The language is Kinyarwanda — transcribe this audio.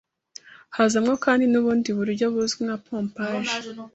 Hazamo kandi n’ubundi buryo buzwi nka pompage